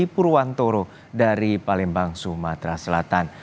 purwantoro dari palembang sumatera selatan